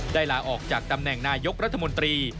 ลาออกจากตำแหน่งนายกรัฐมนตรี